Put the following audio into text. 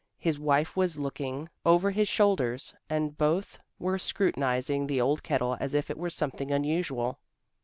His wife was looking over his shoulders and both were scrutinizing the old kettle as if it were something unusual.